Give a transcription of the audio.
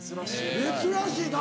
珍しいな。